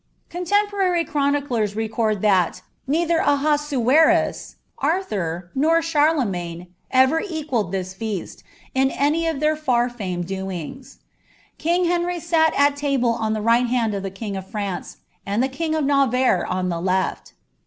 Contemporary chroniclers record that neither Ahasu enis, Arthur, nor Charlemagne, ever equalled this feast, in any of theit frr fiimed doings. King Henry sat at table on the right hand of the king of Fimnce, and the king of Navarre on the left.